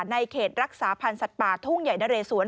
เขตรักษาพันธ์สัตว์ป่าทุ่งใหญ่นะเรสวน